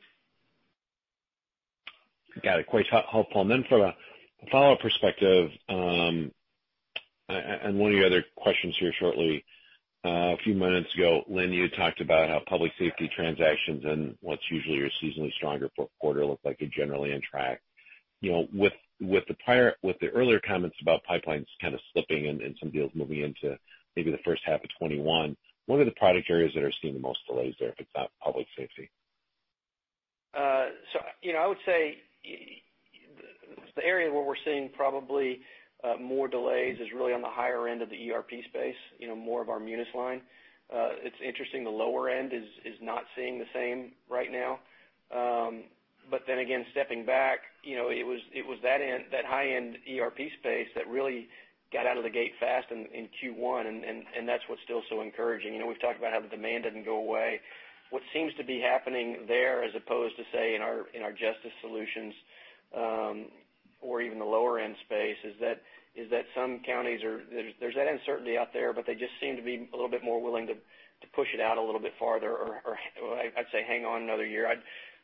Got it. Quite helpful. From a follow-up perspective, and one of the other questions here shortly. A few minutes ago, Lynn, you had talked about how public safety transactions and what's usually your seasonally stronger fourth quarter looked like you're generally on track. With the earlier comments about pipelines kind of slipping and some deals moving into maybe the first half of 2021, what are the product areas that are seeing the most delays there, if it's not public safety? I would say the area where we're seeing probably more delays is really on the higher end of the ERP space, more of our Munis line. It's interesting, the lower end is not seeing the same right now. Stepping back, it was that high-end ERP space that really got out of the gate fast in Q1, and that's what's still so encouraging. We've talked about how the demand didn't go away. What seems to be happening there, as opposed to, say, in our Justice solutions, or even the lower-end space, is that some counties, there's that uncertainty out there, but they just seem to be a little bit more willing to push it out a little bit farther, or I'd say hang on another year.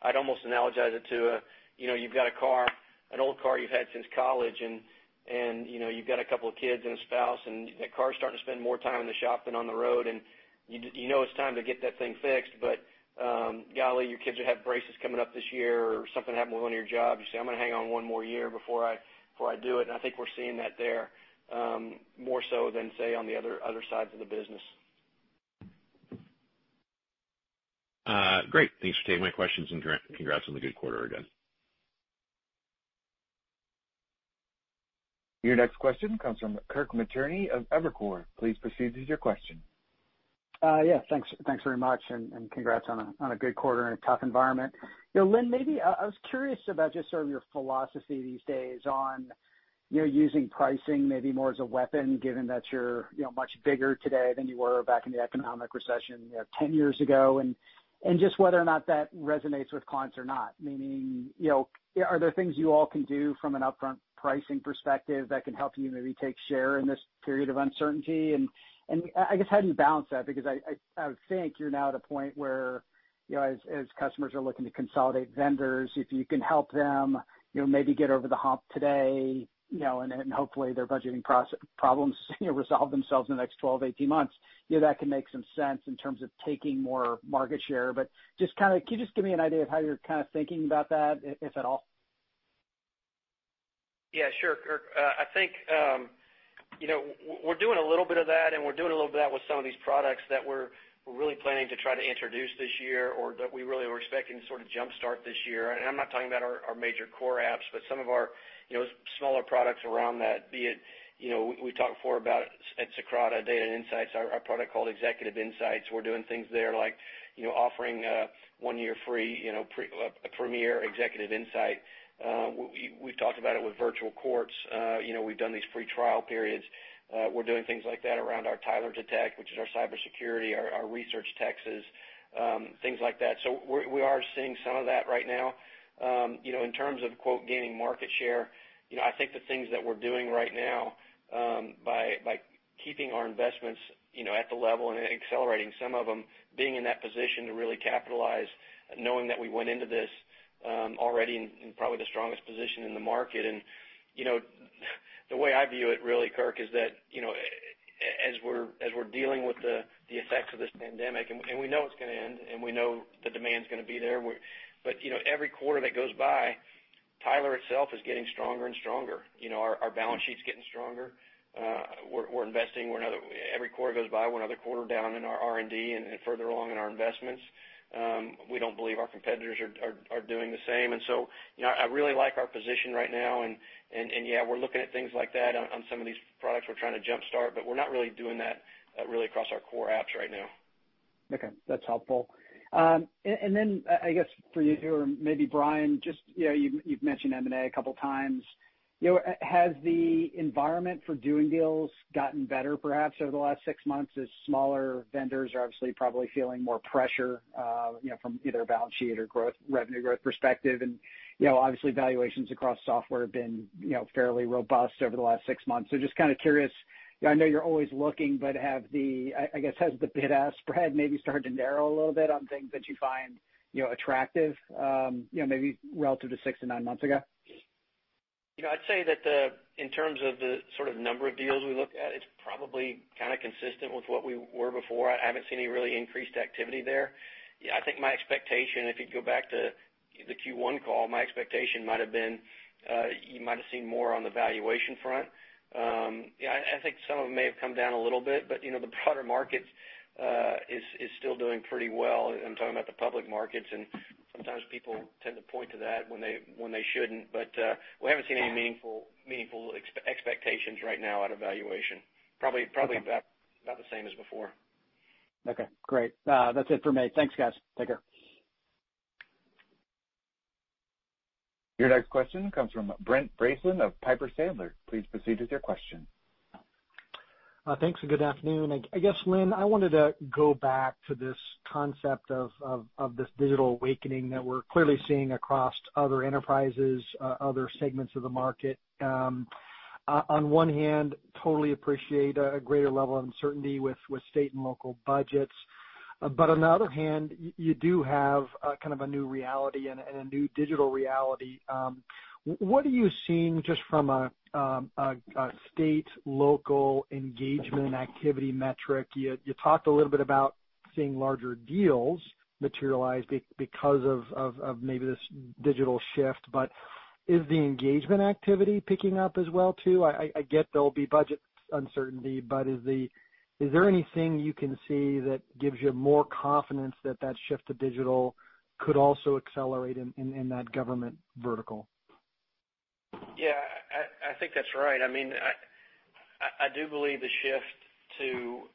I'd almost analogize it to you've got a car, an old car you've had since college, and you've got a couple of kids and a spouse, and that car's starting to spend more time in the shop than on the road, and you know it's time to get that thing fixed, but golly, your kids have braces coming up this year, or something happened with one of your jobs. You say, "I'm going to hang on one more year before I do it." I think we're seeing that there more so than, say, on the other sides of the business. Great. Thanks for taking my questions, and congrats on the good quarter again. Your next question comes from Kirk Materne of Evercore. Please proceed with your question. Yeah. Thanks very much. Congrats on a good quarter in a tough environment. Lynn, I was curious about just sort of your philosophy these days on using pricing maybe more as a weapon, given that you're much bigger today than you were back in the economic recession 10 years ago, and just whether or not that resonates with clients or not, meaning are there things you all can do from an upfront pricing perspective that can help you maybe take share in this period of uncertainty? I guess how do you balance that? As customers are looking to consolidate vendors, if you can help them maybe get over the hump today, and hopefully their budgeting problems resolve themselves in the next 12, 18 months, that can make some sense in terms of taking more market share. Can you just give me an idea of how you're thinking about that, if at all? Yeah, sure, Kirk. I think we're doing a little bit of that, and we're doing a little bit of that with some of these products that we're really planning to try to introduce this year or that we really were expecting to sort of jumpstart this year. I'm not talking about our major core apps, but some of our smaller products around that, be it, we talked before about at Socrata Data & Insights, our product called Executive Insights. We're doing things there like offering one year free premier Executive Insights. We've talked about it with virtual courts. We've done these free trial periods. We're doing things like that around our Tyler Detect, which is our cybersecurity, our research, taxes, things like that. We are seeing some of that right now. In terms of quote, gaining market share, I think the things that we're doing right now, by keeping our investments at the level and accelerating some of them, being in that position to really capitalize, knowing that we went into this already in probably the strongest position in the market. The way I view it really, Kirk, is that as we're dealing with the effects of this pandemic, and we know it's going to end, and we know the demand's going to be there, but every quarter that goes by, Tyler itself is getting stronger and stronger. Our balance sheet's getting stronger. We're investing. Every quarter goes by, we're another quarter down in our R&D and further along in our investments. We don't believe our competitors are doing the same. I really like our position right now. Yeah, we're looking at things like that on some of these products we're trying to jumpstart, but we're not really doing that really across our core apps right now. That's helpful. I guess for you or maybe Brian, you've mentioned M&A a couple of times. Has the environment for doing deals gotten better perhaps over the last six months, as smaller vendors are obviously probably feeling more pressure from either a balance sheet or revenue growth perspective? Obviously valuations across software have been fairly robust over the last six months. Just kind of curious. I know you're always looking, I guess, has the bid-ask spread maybe started to narrow a little bit on things that you find attractive maybe relative to six to nine months ago? I'd say that in terms of the sort of number of deals we look at, it's probably kind of consistent with what we were before. I haven't seen any really increased activity there. I think my expectation, if you go back to the Q1 call, my expectation might've been you might've seen more on the valuation front. I think some of them may have come down a little bit. The broader market is still doing pretty well. I'm talking about the public markets. Sometimes people tend to point to that when they shouldn't. We haven't seen any meaningful expectations right now out of valuation. Probably about the same as before. Okay, great. That's it for me. Thanks, guys. Take care. Your next question comes from Brent Bracelin of Piper Sandler. Please proceed with your question. Thanks, and good afternoon. I guess, Lynn, I wanted to go back to this concept of this digital awakening that we're clearly seeing across other enterprises, other segments of the market. On one hand, totally appreciate a greater level of uncertainty with state and local budgets. On the other hand, you do have kind of a new reality and a new digital reality. What are you seeing just from a state, local engagement activity metric? You talked a little bit about seeing larger deals materialize because of maybe this digital shift, but is the engagement activity picking up as well too? I get there'll be budget uncertainty, but is there anything you can see that gives you more confidence that shift to digital could also accelerate in that government vertical? Yeah, I think that's right. I do believe the shift to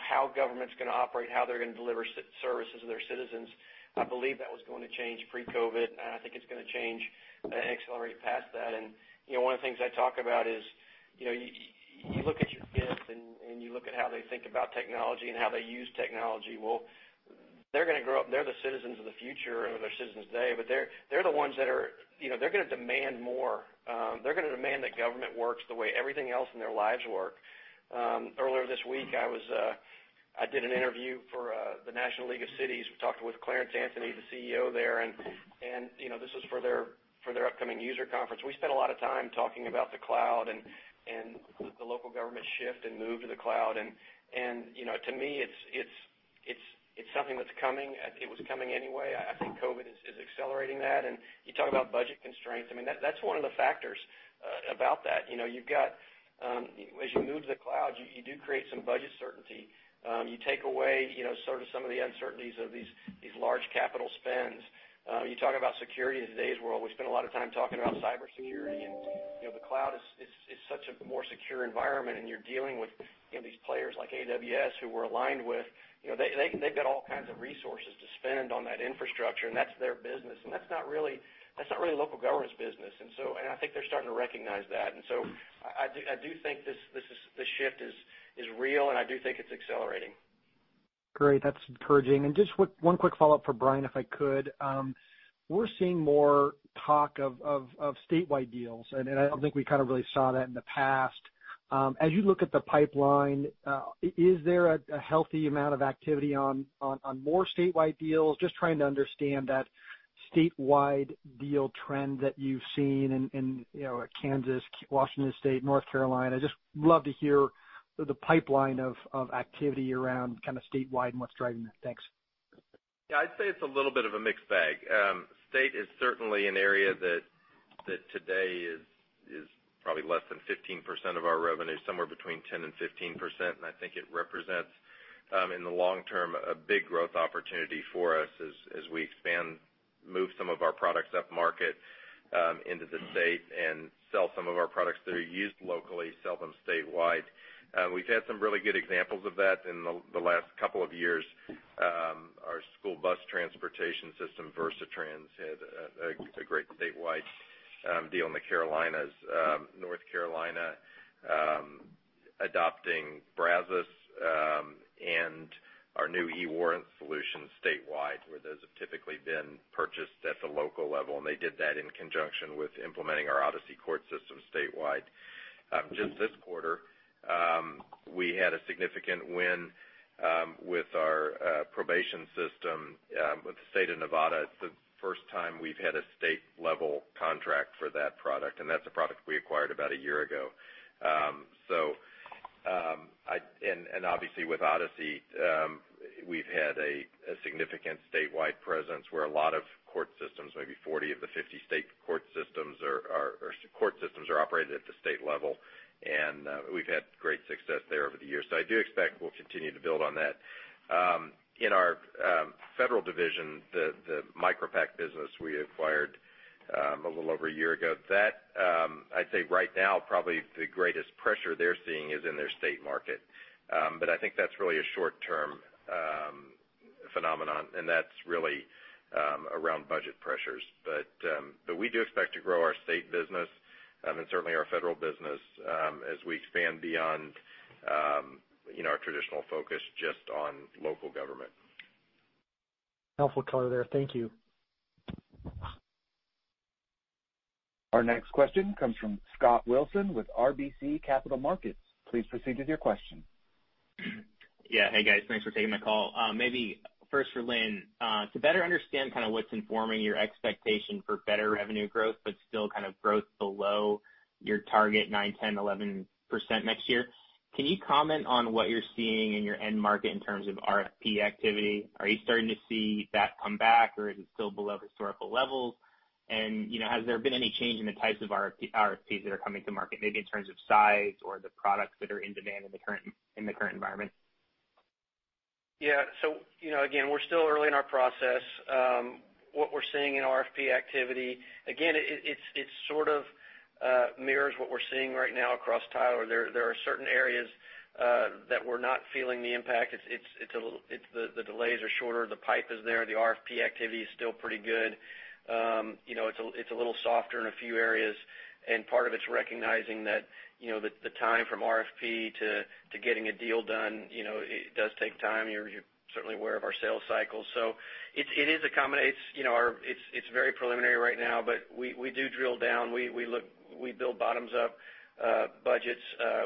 how government's going to operate, how they're going to deliver services to their citizens, I believe that was going to change pre-COVID, and I think it's going to change and accelerate past that. One of the things I talk about is you look at your kids and you look at how they think about technology and how they use technology. Well, they're going to grow up. They're the citizens of the future or they're citizens today, but they're going to demand more. They're going to demand that government works the way everything else in their lives work. Earlier this week, I did an interview for the National League of Cities. We talked with Clarence Anthony, the CEO there, and this was for their upcoming user conference. We spent a lot of time talking about the cloud and the local government shift and move to the cloud, and to me, it's something that's coming. It was coming anyway. I think COVID is accelerating that. You talk about budget constraints. That's one of the factors about that. As you move to the cloud, you do create some budget certainty. You take away sort of some of the uncertainties of these large capital spends. You talk about security in today's world. We spend a lot of time talking about cybersecurity, and the cloud is such a more secure environment, and you're dealing with these players like AWS who we're aligned with. They've got all kinds of resources to spend on that infrastructure, and that's their business, and that's not really local government's business. I think they're starting to recognize that. I do think this shift is real, and I do think it's accelerating. Great. That's encouraging. Just one quick follow-up for Brian, if I could. We're seeing more talk of statewide deals, and I don't think we kind of really saw that in the past. As you look at the pipeline, is there a healthy amount of activity on more statewide deals? Just trying to understand that statewide deal trend that you've seen in Kansas, Washington State, North Carolina. Just love to hear the pipeline of activity around statewide and what's driving that. Thanks. Yeah, I'd say it's a little bit of a mixed bag. State is certainly an area that today is probably less than 15% of our revenue, somewhere between 10% and 15%. I think it represents, in the long term, a big growth opportunity for us as we expand, move some of our products upmarket into the state, and sell some of our products that are used locally, sell them statewide. We've had some really good examples of that in the last couple of years. Our school bus transportation system, Versatrans, had a great statewide deal in the Carolinas. North Carolina adopting Brazos, and our new eWarrant solution statewide, where those have typically been purchased at the local level. They did that in conjunction with implementing our Odyssey court system statewide. Just this quarter, we had a significant win with our probation system with the state of Nevada. It's the first time we've had a state-level contract for that product, that's a product we acquired about a year ago. Obviously with Odyssey, we've had a significant statewide presence where a lot of court systems, maybe 40 of the 50 state court systems are operated at the state level. We've had great success there over the years. I do expect we'll continue to build on that. In our federal division, the MicroPact business we acquired a little over a year ago, that I'd say right now, probably the greatest pressure they're seeing is in their state market. I think that's really a short-term phenomenon, and that's really around budget pressures. We do expect to grow our state business and certainly our federal business, as we expand beyond our traditional focus just on local government. Helpful color there. Thank you. Our next question comes from Scott Wilson with RBC Capital Markets. Please proceed with your question. Yeah. Hey, guys. Thanks for taking the call. Maybe first for Lynn, to better understand what's informing your expectation for better revenue growth, but still growth below your target 9%, 10%, 11% next year, can you comment on what you're seeing in your end market in terms of RFP activity? Are you starting to see that come back, or is it still below historical levels? Has there been any change in the types of RFPs that are coming to market, maybe in terms of size or the products that are in demand in the current environment? Yeah. Again, we're still early in our process. What we're seeing in RFP activity, again, it sort of mirrors what we're seeing right now across Tyler. There are certain areas that we're not feeling the impact. The delays are shorter. The pipe is there. The RFP activity is still pretty good. It's a little softer in a few areas, and part of it's recognizing that the time from RFP to getting a deal done, it does take time. You're certainly aware of our sales cycle. It's very preliminary right now, but we do drill down. We build bottoms-up budgets.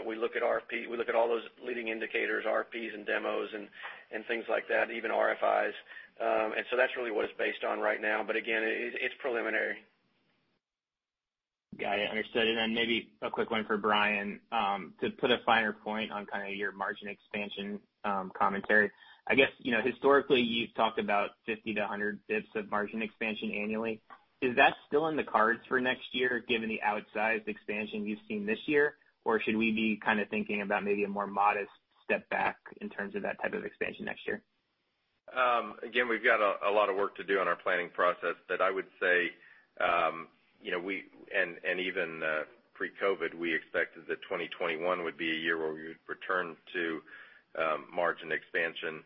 We look at RFP. We look at all those leading indicators, RFPs, and demos, and things like that, even RFIs. That's really what it's based on right now. Again, it's preliminary. Got it. Understood. Maybe a quick one for Brian. To put a finer point on your margin expansion commentary, I guess historically, you've talked about 50 basis points-100 basis points of margin expansion annually. Is that still in the cards for next year, given the outsized expansion you've seen this year, or should we be thinking about maybe a more modest step back in terms of that type of expansion next year? We've got a lot of work to do on our planning process. I would say, and even pre-COVID, we expected that 2021 would be a year where we would return to margin expansion.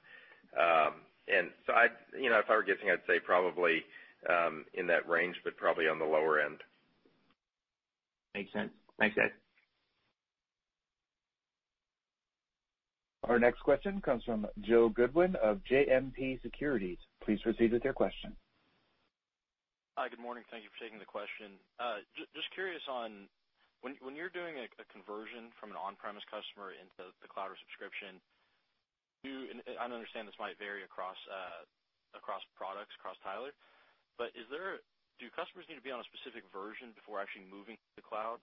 If I were guessing, I'd say probably in that range, but probably on the lower end. Makes sense. Thanks, guys. Our next question comes from Joe Goodwin of JMP Securities. Please proceed with your question. Hi. Good morning. Thank you for taking the question. Just curious on when you're doing a conversion from an on-premise customer into the cloud or subscription, and I understand this might vary across products, across Tyler, but do customers need to be on a specific version before actually moving to the cloud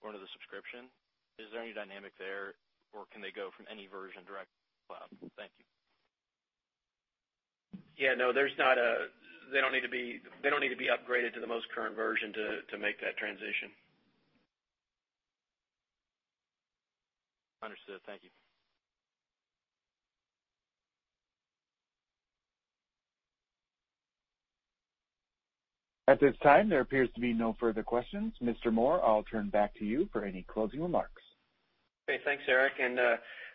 or into the subscription? Is there any dynamic there, or can they go from any version direct to the cloud? Thank you. Yeah, no. They don't need to be upgraded to the most current version to make that transition. Understood. Thank you. At this time, there appears to be no further questions. Mr. Moore, I'll turn back to you for any closing remarks. Okay. Thanks, Eric, and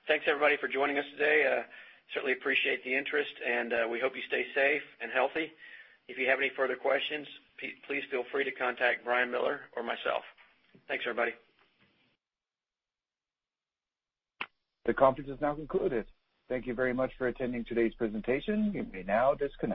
thanks everybody for joining us today. Certainly appreciate the interest, and we hope you stay safe and healthy. If you have any further questions, please feel free to contact Brian Miller or myself. Thanks, everybody. The conference is now concluded. Thank you very much for attending today's presentation. You may now disconnect.